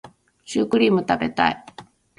シュークリーム食べたい